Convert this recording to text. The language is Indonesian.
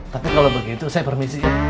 tapi kalau begitu saya permisi